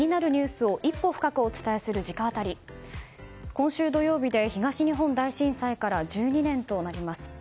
今週土曜日で東日本大震災から１２年となります。